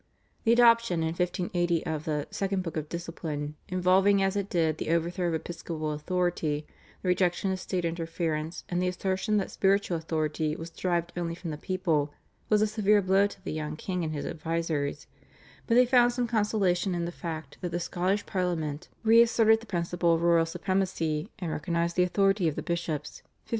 The adoption in 1580 of the /Second Book of Discipline/, involving as it did the overthrow of episcopal authority, the rejection of state interference and the assertion that spiritual authority was derived only from the people, was a severe blow to the young king and his advisers; but they found some consolation in the fact that the Scottish Parliament re asserted the principle of royal supremacy and recognised the authority of the bishops (1584).